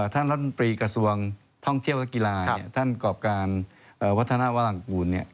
ท่านรัฐมนตรีกระทรวงท่องเที่ยวและกีฬาท่านกรอบการวัฒนาวรังกูล